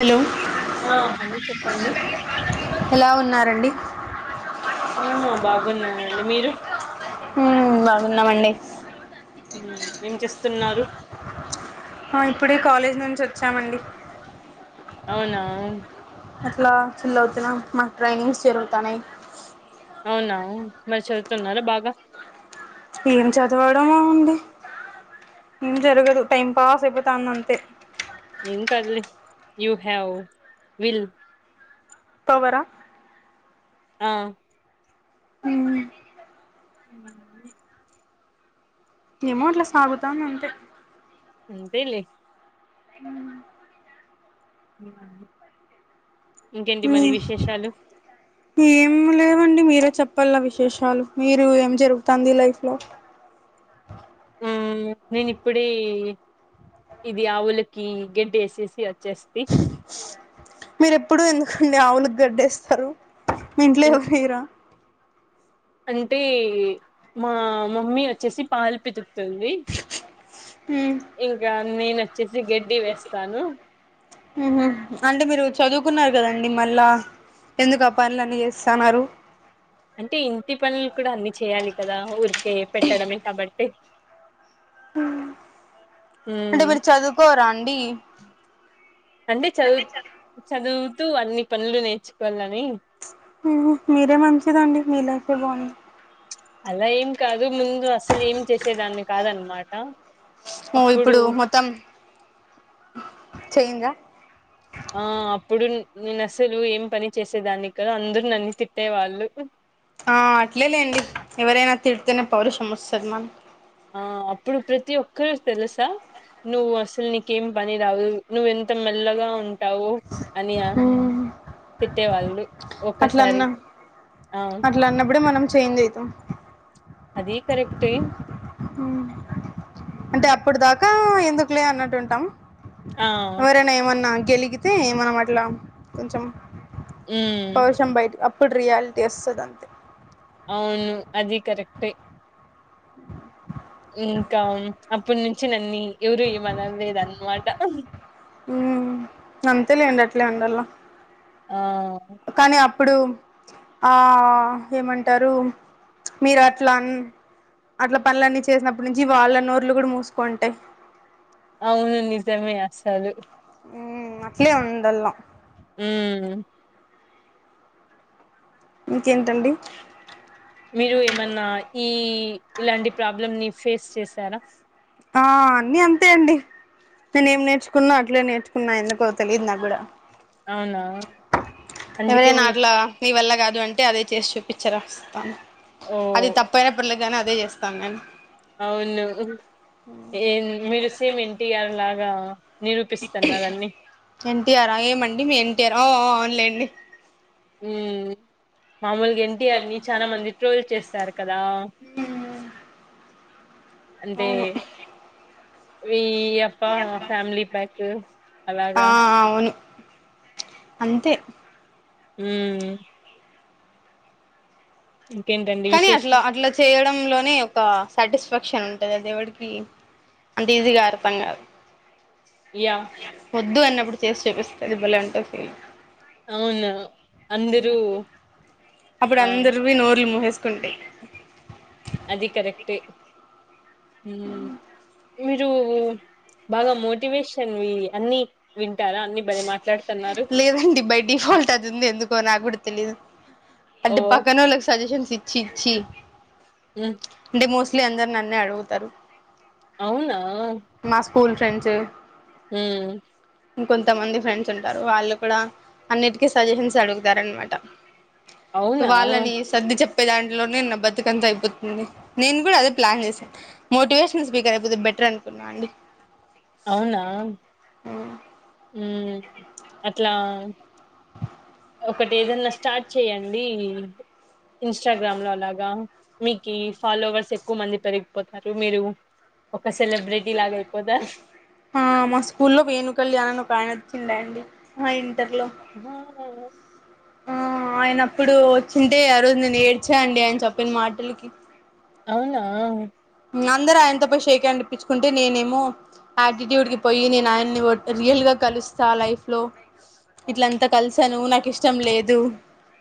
hello ఆ hello చెప్పండి ఎలా ఉన్నారండి ఆ బాగున్నానండి మీరు హ్మ్ బాగున్నామండి ఉమ్, ఏం చేస్తున్నారు ఆ ఇప్పుడే కాలేజ్ నుంచి చామండి అవునా అట్లా చిల్ అవుతున్నాం మాకు ట్రైనింగ్స్ జరుగుతుాన్నాయి న్నా మరి చదువుతున్నారా బాగా ఏం చదవడమో అండి ఏం జరగదు టైం పాస్ అయిపోతాంది అంతే ఏం కాదులె యు హావ్ విల్ పవరా ఆ మ్ [inaudible] ఏమో అట్లా సాగుతాంది అంతే అంతేలే హ [inaudible] మీ మరి విశేషాలు ఏం లే అండి మీరే చెప్పాల విశేషాలు మీరు ఏం జరుగుతాంది లైఫ్ లో మ్ నేను ఇప్పుడే ఇది ఆవులకి గడ్డి ఎసేసి జెస్తి మీర ఎప్పుడు ఎందుకండి ఆవులకి గడ్డేస్తారు మీ ఇంట్లో ఇన్- ఎవరు వేయరా అంటే మా మమ్మీ వచ్చేసి పాలు పితుకుతుంది ఇంకా నేనోచ్చేసి గడ్డి వేస్తాను మ్ హు అంటే మీరు చదువుకున్న కదండి మళ్ళా ఎందుకు ఆ పనులన్నీ చేస్తన్నారు అంటే ఇంటి పనులు కూడా అన్ని చేయాలి కదా ఊరికే పెట్టడమే కాబట్టి మ్ అంటే ఉమ్ మీరు చదువుకోరా అండి అంటే చదువు చదువుతూ అన్ని పనులు నేర్చుకోల మ్ మీరే మంచిదండి మీ లైఫె బాగుంది అలా ఏం కాదు ముందు అసలు ఏం చేసేదాన్ని కాదన్నమాట ఓ ఇప్పుడు మొత్తం చేంజ్ ఆ ఆ అప్పుడు నేను అసలు ఏం పని చేసేదాన్ని క అందరు నన్ను తిట్టేవాళ్ళు ఆ అట్లేలేండి ఎవరైనా తిడితేనే పౌరుషం వస్తది మనకి ఆ అప్పుడు ప్రతి ఒక్కరు తెలుసా నువ్వు అసలు నీకేం పని రాదు నువ్ ఎం త మెల్లగా ఉంటావు అని ఆ తిట్టేవాళ్ళు ఒక్కసారి అట్లన్న ఆ అట్లాన్నప్పుడే మనం చేంజ్ అవుతాం అదీ కరెక్టే మ్ అంటే అప్పుడు దాకా ఎందుకులే అన్నట్టు ఉంటాం ఆ ఎవరైనా ఏమన్నా గెలిగితే మనమట్ల కొంచెం ఉమ్ పౌర్షం బయటకి అప్పుడు రియాలిటీ వస్తది అంత అవును అది కరెక్టే [inaudible] అప్పడు నుంచి నన్ని ఎవరు ఏమనలేదన్నమాట మ్ అంతే లేండి అట్లే ఉండల్లా ఆ కానీ అప్పుడు ఆ ఏమంటారు మీరు అట్లా అన్ అట్ల పనులన్నీ చేసినప్పుటి నుంచి వాళ్ళన్నోర్లు కూడా మూసు కుంటాయి అవును నిజమే అసలు మ్ అట్లేే ఉండళ్ళ ఉమ్ ఇంకేంటండి మీరు ఏమన్నా ఈ ఇలాంటి ప్రాబ్లమ్ ని ఫేస్ చేసారా ఆ అన్ని అంతే అండి నేనే ఏం నేర్చుకున్నా అట్లే నేర్చుకున్నా ఎందుకో తెలియదు నాక్ గూడ అవునా అందుకే ఎవరైన మీ అట్లా నీ వల్ల కాదు అంటే అదే చేసి చూపించర ఓ అది తప్పయిన [unintelligible] గానీ అదే చేస్తాము కానీ అవును ఏ మీరు సేమ్ ఎన్టీఆర్ లాగ నిరూపిస్తున్నారు అన్ని ఎన్టీఆర్ ఆ ఏమండి మీ ఎన్టీఆర్ అవున్లేండి ఉ మామూలుగ ఎన్టీఆర్ ని చాల మంది ట్రోల్ చేస్తారు కదా అంటే అవును ఈ యప్ప ఫ్యామిలీ ప్యాక్ అలాగ ఆ అవును అంతే ఊ ఇంకేంటండి కానీ అట్ల విశేషం అట్ల చేయడంలోనే ఒక సాటిస్ఫాక్షన్ ఉంటది అది ఎవడికి అంత ఈజీగా ఆర్పం కాదు యా ఓద్దు అన్నప్పుడు చేసి చూపిస్తుంది బలే వుంటది ఫీలింగ్ అవును అందరూ అప్పుడు ఆ అందర్వి నోర్లు ము సుకుంటయ్ అది కరెక్ట్ మీరు బాగ మోటివేషన్ అన్ని వింటారా అన్ని భలే మాట్లాడుతున్నారు లేదండి బై డిఫాల్ట్ అది ఉంది ఎందుకో నా గుడ తెలీదు ఓ అంటే పక్కన వాళ్ళకి సజెషన్స్ ఇచ్చి ఇచ్చి ఉమ్ అంటే మోస్ట్లీ అందరు నన్నే అడుగుతారు అవునా మా స్కూల్ ఫ్రెండ్స్ హు కొంతమంది ఫ్రెండ్స్ ఉంటారు వాళ్ళు కూడ అన్నిటికీ సజెషన్స్ అడుగుతారు అనమాట సో అవునా వాళ్ళని సర్ది చెప్పే దాంట్లోనే బతుకంత అయిపో నేను కూడ అదే ప్లాన్ చేశ మోటివేషనల్ స్పీకర్ అయిపోతే బెటర్ అనుకున్నాను అండి అవునా ఉ అట్లా ఒకటి ఏదన్నా స్టార్ట్ చేయండి ఇన్స్టాగ్రామ్ లో అలాగ మీకు ఫాలోవర్స్ ఎక్కువ మంది పెరిగిపోతారు మీరు ఒక సెలబ్రిటీ లాగా అయిపోతారు ఆ మా స్కూల్లో వేనుకళ్యాను అని ఒక ఆయన ఉండే అండి ఇంటర్లో [unintelligible] ఆ ఆయన అప్పుడు వచ్చింటే ఆ రోజు న ఏడ్చా అండి ఆయన చెప్పిన మాటలకి అవునా అందరు ఆయన తో పొయ్యి షేక్ ఇపించుకుంటే నేనేమో ఆటిట్యూడ్ కి పోయి నేను ఆయన్ని రియల్ గా కలుస్తా లైఫ్ లో ఇట్లంతా కలిసాను నాకు ఇష్టం లేదు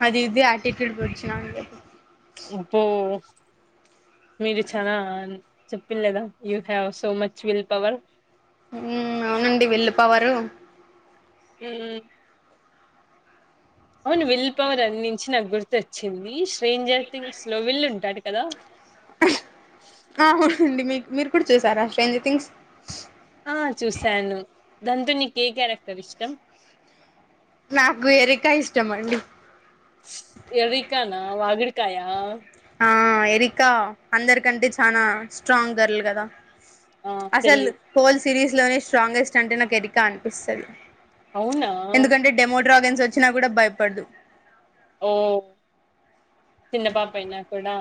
అది ఇది [unintelligible] పో [unintelligible] అబ్బో మీరు చాల చెప్పిన లేదా you have so much will power అవునండి వెల్ పవరు ఉమ్ అవును విల్ పవర్ అన్నించి నాకు గుర్తోచ్చింది శ్రేన్జర్ టీమ్స్ లో విల్ ఉంటాడు కద ఆ అవునండి మీ మీరు కూడ చూసారా శ్రేన్జర్ టీమ్స్ ఎ క్యారెక్టర్ ఇష్టం నాకు ఎరికా ఇష్టం అండి ఎరికానా వాగుడుకాయ ఆ ఎరికా అందరికంటే చానా స్ట్రాంగ్ గర్ల్ కదా ఆ అసలు తెలి హోల్ సిరీస్ లోనే స్ట్రాంగెస్ట్ అంటే నాకు ఎరికా అనిపిస్తది అవునా ఎందుకంటే డెమోడ్రాగన్స్ వచ్చినా గూడ భయపడదు ఓ చిన్న పాపయినా కూడా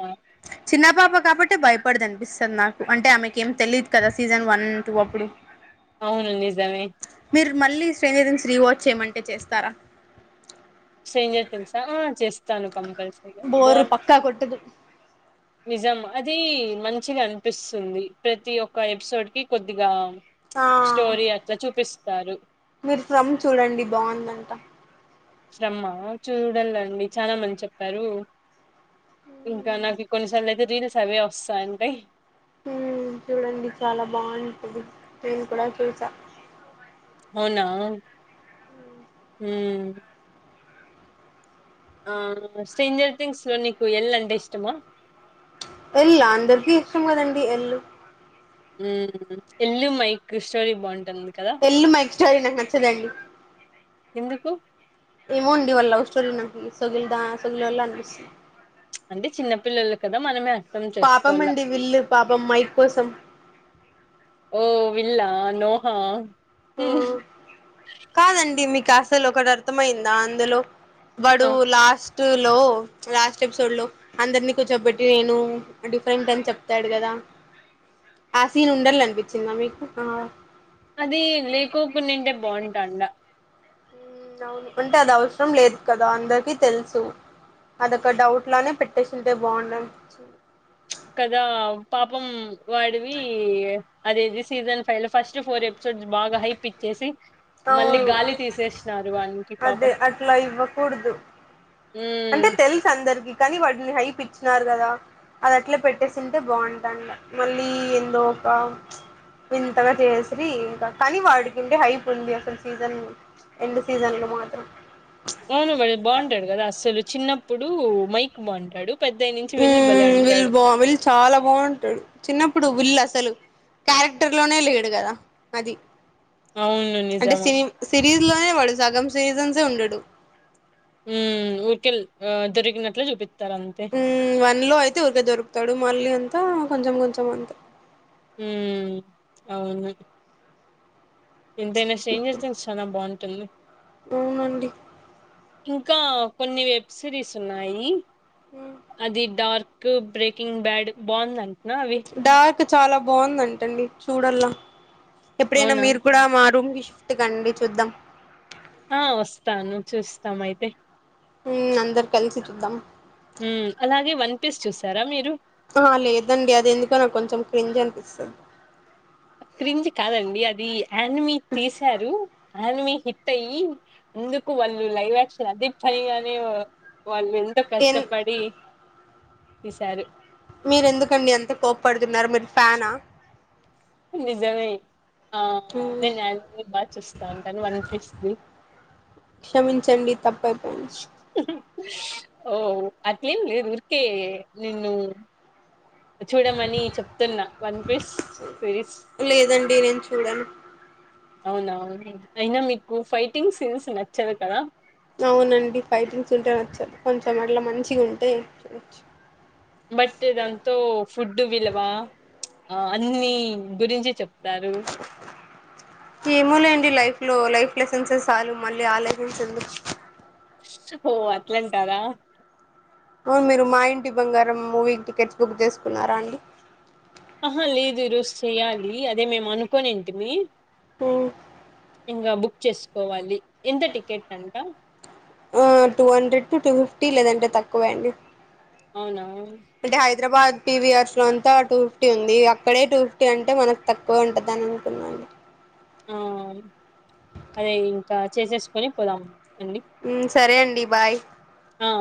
చిన్న పాప కాబట్టే భయపడదనిపిస్తది నాకు అంటే ఆమెకేం తెలీదు కదా సీజన్ వన్ టూ అప్పుడు అవును నిజమే మీరు మళ్ళీ శ్రేన్జరీన్స్ రీవాచ్ చేయమంటే చేస్తారా స్ట్రేంజర్ టీమ్స్ ఆ చేస్తాను కంపల్సరీగా బోరు బావుం పక్కా కొట్టదు నిజం అదీ మంచిగనిపిస్తుంది ప్రతి ఒక్క ఎపిసోడ్ కి కొద్దిగా ఆ స్టోరీ అట్లా చూపిస్తారు మీరు ఫ్రమ్ చూడండి బావుందంట శఫ్రమ్ ఆ చూడాలండి చాలా మంది చెప్పారు ఇంకా నాకి కొన్నిసార్లయితే రీల్స్ అవే వస్తాంటయ్ హ్మ్ చూడండి చాలా బావుంటది నేను కుడా చూసా అవునా హ్మ్ ఆ స్ట్రేంజర్ థింగ్స్ లో నీకు ఎల్ అంటె ఇష్టమా ఎల్ ఆ అందరికీ ఇష్టం కదండి ఎల్ ఉమ్ ఎల్లు మైకు స్టోరీ బావున్ ఎల్లు మైక్స్టోరీ నాకు నచ్చదండి ఎందుకు ఏమోండి వాల్ లవ్ స్టోరీ నాకు సోగిల్దా సోగీలోల్లె అనిపిస్ అంటే చిన్నపిల్లలు కదా మనమే అర్థం పాపం చేసుకోవాల అండి విల్ పాపం మైక్ కోసం ఓ విళ్ళా నోహా దిన్ మీకు అస్సలోకట్ అర్థమయిందా అందులో వాడు ఆ లాస్ట్ లో లాస్ట్ ఎపిసోడ్ లో అందరినీ కూర్చోబెట్టి నేను డిఫరెంట్ అని చెప్తాడు గదా ఆ సీన్ ఉండాలె అనిపించిందా మీకు అది లేకోకుండింటే బావుంటాడా ఉమ్ అవును అంటే అది అవసరం లేదు కదా అందరికిీ తెలుసు అదొక డౌట్ లానే పెట్టేసింటె బావుండనిపించింది కదా పాపం వాడివి అదేది సీజన్ ఫైన ఫస్ట్ ఫోర్ ఎపిసోడ్స్ బాగా హైప్ ఇచ్చేసి మళ్ళీ అవును గాలి తీసేసినారు వానికి అదే పాపం అట్లా ఇవ్వకూడదు అంటే ఉమ్ తెలుసు అందరికి కనీ వాడిని హైపి చ్చినారు గదా అది అట్లే పెట్టేసుంటే బావుంటాండ మళ్ళీ ఎందో ఒక వింతగా చేస్రీ కని వాడుకింటే హైపు ఉంది అసలు సీజన్ ఎండ్ సీజన్ లో మాత్రం అవును వాడు బావుంటడు గదా అసలు చిన్నప్పుడు మైక్ బావుంటాడు పెద్దయి నుంచి విళ్ళు బలే మ్మ్ వీళ్ళు ఉంటాడు బా వీళ్ళు చాలా బాగుంటాడు చిన్నప్పుడు వీల్ళు అసలు క్యారెక్టర్ లోనే లేడు గదా అది అవును అంటే నిజము సిరీజ్ లోనే వాడు సగం సీజన్సే ఉండడు ఉమ్ ఊరికెల్ ఆ దొరికినట్లే జూపిత్తారు అంతే నిలో అయితే ఊరికే దొరుకుతడు మళ్ళీ అంతా కొంచం కొంచం అంత ఉమ్ అవును ఎంతైనా చేంజేస్తే చాలా బాగుంటుంది అవునండి ఇంకా కొన్ని వెబ్ సిరీస్ ఉన్నాయి అది డార్ కు బ్రేకింగ్ బ్యాడ్ బాగుందంటనా అవి డార్క్ చాలా బాగుందంటండి చూడల్లా ఎప్పుడైనా అవునా మీరు కూడా మా రూమ్ కి షి ఫ్టు కండి చూద్దాం ఆ వస్తాను చూస్తామైతే ఉమ్ అందరు కలిసి చూద్దాం ఉమ్ అలాగే వన్ పీస్ చూసారా మీరు ఆ లేదండి అది ఎందుకో నాకు కొంచెం క్రింజ్ అనిపిస్తది క్రింజ్ కాదండి అది ఆనిమీ తీసారు ఆనిమీ హిట్ అయ్యి ఎందుకు వాళ్ళు లైవ్క్షన్ అదే పనిగానే వాళ్ళు ఎంత ఎన్ కష్టపడి తీశారు మీరు ఎందుకండి ఎంత కోపడుతున్నారు మీరు ఫ్యానా నిజమే ఆ మ్మ్ నేను ఆనీమే బాగా చూస్తాను కానీ వన్ పీస్ది క్షమించండి తప్పైపోయింది ఓ అట్లేం లేదు ఊర్కే నిన్ను చూడమని చెప్తున్నా వన్ పీస్ సిరీస్ లేదండి నేను చూడను అవునా అయినా మీకు ఫైటింగ్ సీన్స్ నచ్చదు కదా అవునండి ఫైటింగ్స్ ఉంటే నచ్చదు కొంచెం అట్లా మంచిగా ఉంటే చూడొచ్చు బట్ దాంతో ఫుడ్ విల్వ ఆ అన్ని గురించి చెప్తారు ఏమో లేండి లైఫ్ లో లైఫ్ లెసెన్స్సే చాలు మళ్ళీ ఆ లెసన్స్ ఎందుకు హో అట్లంటారా అవును మీరు Maa Inti Bangaram movie tickets book చేసుకున్నారా అండి ఆహా లేదు ఈ రోజు చెయ్యాలి అదే మేము అనుకోనింటిమి ఉమ్ ఇంగ బుక్ చేసుకోవాలి ఎంత టికెట్ అంట ఆ two hundred to two fifty లేదంటే తక్కువే అండి అవునా అంటే హైదరాబాద్ పి విఆర్స్ లో అంతా టూ ఫిఫ్టీ ఉంది అక్కడే టూ ఫిఫ్టీ అంటే మనకు తక్కువ ఉంటదని అనుకున్నానులే ఆ అదే ఇంకా చేసేసుకొని పోదాం అండి ఉమ్ సరే అండి బాయ్ ఆ